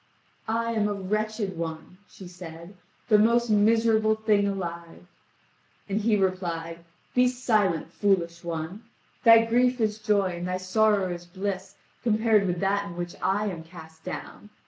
"I am a wretched one," she said, "the most miserable thing alive." And he replied: "Be silent, foolish one! Thy grief is joy and thy sorrow is bliss compared with that in which I am cast down.